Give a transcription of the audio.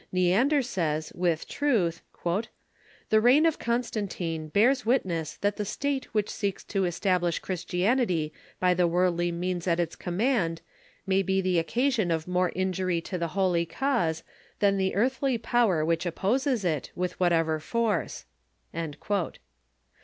Neander says, with truth :" The reign of Constantine bears witness that the State which seeks to establish Christianity by the worldly means at its command may be the occasion of more injury to the holy cause than the REACTION UNDEK JULIAX 41 eartbly power which opposes it, with whatever force."